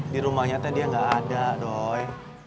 di rumahnya tadi dia gak ada doi